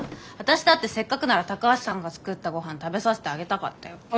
私だってせっかくなら高橋さんが作ったごはん食べさせてあげたかったよ。